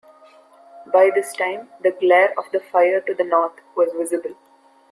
By this time, the glare of the fire to the north was visible.